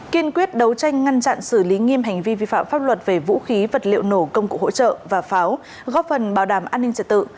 kiên quyết đấu tranh ngăn chặn xử lý nghiêm hành vi vi phạm pháp luật về vũ khí vật liệu nổ công cụ hỗ trợ và pháo góp phần bảo đảm an ninh trật tự